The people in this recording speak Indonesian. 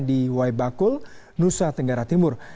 di wai bakul nusa tenggara timur